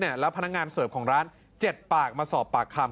แล้วพนักงานเสิร์ฟของร้าน๗ปากมาสอบปากคำ